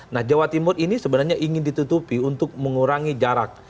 nah jawa timur ini sebenarnya ingin ditutupi untuk mengurangi jarak